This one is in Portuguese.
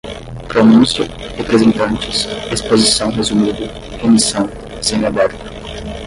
pronuncia, representantes, exposição resumida, remição, semi-aberto